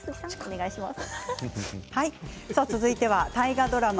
続いては大河ドラマ